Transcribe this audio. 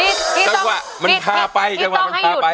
ดีกี่คือต้องให้มันพาไป